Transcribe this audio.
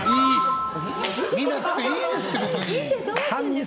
見なくていいですって！